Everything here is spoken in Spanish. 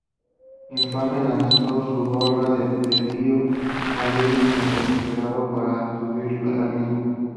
Infame lanzó su gorra de podio a Lewis mientras esperaban para subir al mismo.